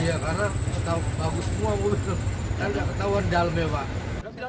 iya karena tahu semua mobil karena ketahuan dalamnya pak